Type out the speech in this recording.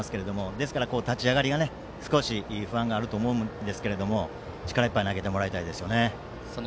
ですから、立ち上がり少し不安があると思うんですが力いっぱい投げてもらいたいです。